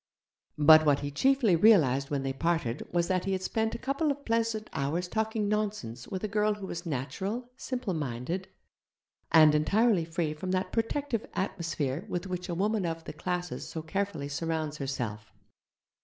But what he chiefly realized when they parted was that he had spent a couple of pleasant hours talking nonsense with a girl who was natural, simple minded, and entirely free from that repellently protective atmosphere with which a woman of the 'classes' so carefully surrounds herself.